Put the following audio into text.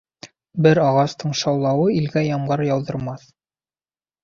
Бер ағастың шаулауы илгә ямғыр яуҙырмаҫ.